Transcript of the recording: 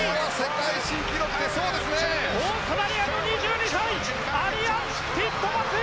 オーストラリアの２２歳アリアン・ティットマス！